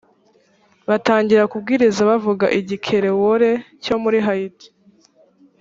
batangira kubwiriza abavuga igikerewole cyo muri hayiti